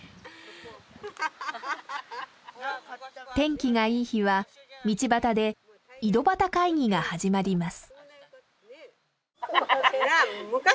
天気がいい日は道端で井戸端会議が始まります。